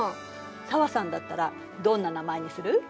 紗和さんだったらどんな名前にする？